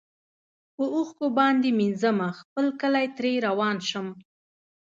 په اوښکو باندي مینځمه خپل کلی ترې روان شم